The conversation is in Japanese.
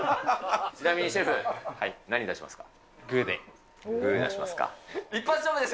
ちなみにシェフ、何出しますグーで。